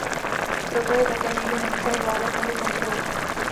Proto ji také nikdo nemůže ovládat nebo kontrolovat.